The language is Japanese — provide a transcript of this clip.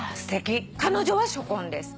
「彼女は初婚です」